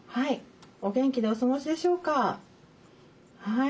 お元気でお過ごしでしょうか？